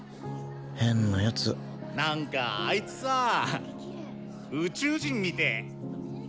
変な奴なんかあいつさ宇宙人みてえ。